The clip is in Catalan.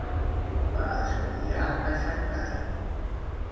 Va estudiar a Xangai.